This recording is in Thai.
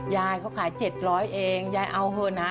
ยายเขาขาย๗๐๐เองยายเอาเถอะนะ